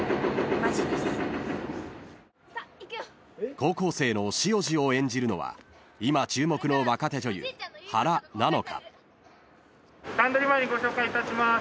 ［高校生の汐路を演じるのは今注目の若手女優原菜乃華］ご紹介いたします。